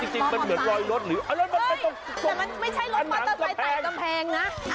เออจริงมันเหมือนรอยรถหรืออะไรมันเป็นตรงส่วนอ่านหนังกระแพง